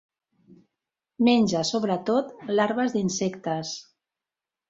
Menja sobretot larves d'insectes.